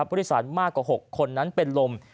ผู้โดยสารมากกว่า๖คนนั้นเป็นลม